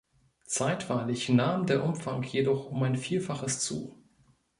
Zeitweilig nahm der Umfang jedoch um ein Vielfaches zu.